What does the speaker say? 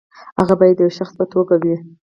هغه باید د یوه شخص په توګه وي.